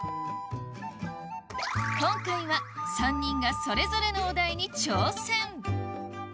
今回は３人がそれぞれのお題に挑戦